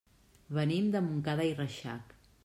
Venim de Montcada i Reixac.